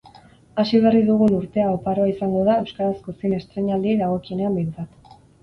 Hasi berri dugun urtea oparoa izango da euskarazko zine estreinaldiei dagokienean behintzat.